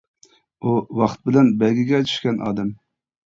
ئۇ، ۋاقىت بىلەن بەيگىگە چۈشكەن ئادەم.